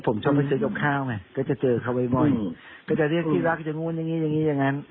ผมชอบไปเฉียบเงาะข้าวก็จะเจอคับไวบ่อยแต่คราวด้วยก็จะเรียกพี่รักอะไรอย่างนี้